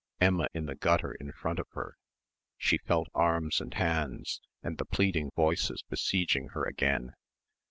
Emma in the gutter in front of her. She felt arms and hands, and the pleading voices besieged her again.